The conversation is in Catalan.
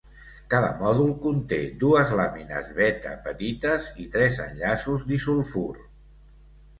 Cada mòdul conté dues làmines beta petites i tres enllaços disulfur.